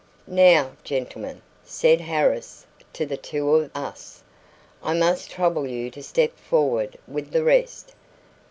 "Now, gentlemen," said Harris to the two of us, "I must trouble you to step forward with the rest.